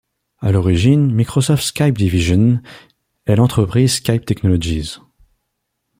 À l'origine, Microsoft Skype Division est l'entreprise Skype Technologies.